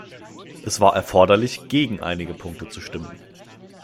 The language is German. Es war erforderlich, gegen einige Punkte zu stimmen.